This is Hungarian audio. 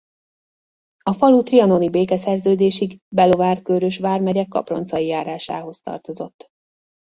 A falu trianoni békeszerződésig Belovár-Kőrös vármegye Kaproncai járásához tartozott.